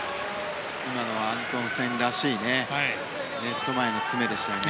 今のはアントンセンらしいネット前への詰めでしたね。